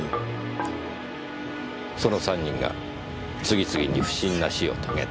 その３人が次々に不審な死を遂げた。